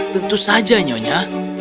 tentu saja nyonya